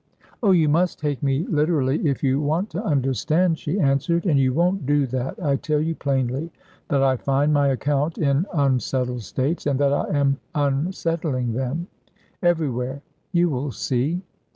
"Oh, you must take me literally if you want to understand," she answered, "and you won't do that. I tell you plainly that I find my account in unsettled states, and that I am unsettling them. Everywhere. You will see."